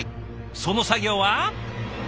その作業は。